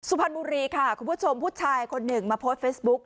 สุพรรณบุรีค่ะคุณผู้ชมผู้ชายคนหนึ่งมาโพสต์เฟซบุ๊ก